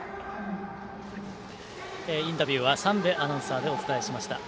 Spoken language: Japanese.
インタビューは三瓶アナウンサーでお伝えしました。